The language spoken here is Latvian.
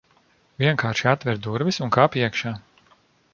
Vienkārši atver durvis, un kāp iekšā.